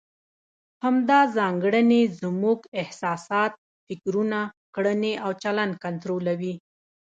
همدا ځانګړنې زموږ احساسات، فکرونه، کړنې او چلند کنټرولوي.